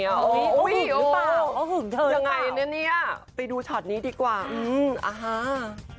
โอ้โฮหึงเธอค่ะยังไงนี่ไปดูชอตนี้ดีกว่าอื้ออะฮา